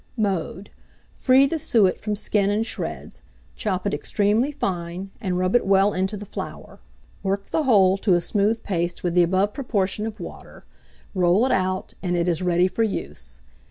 Mode. Free the suet from skin and shreds; chop it extremely fine, and rub it well into the flour; work the whole to a smooth paste with the above proportion of water; roll it out, and it is ready for use.